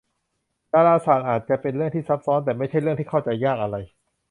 ดาราศาสตร์อาจจะเป็นเรื่องที่ซับซ้อนแต่ไม่ใช่เรื่องที่เข้าใจยากอะไร